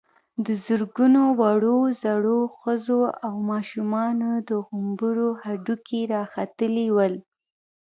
د زرګونو وړو_ زړو، ښځو او ماشومانو د غومبرو هډوکي را ختلي ول.